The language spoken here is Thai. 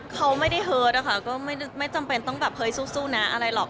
เขาไม่ได้เฮิร์ตนะคะก็ไม่จำเป็นต้องแบบเฮ้ยสู้นะอะไรหรอก